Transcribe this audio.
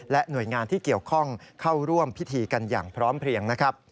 หน่วยงานที่เกี่ยวข้องเข้าร่วมพิธีกันอย่างพร้อมเพลียงนะครับ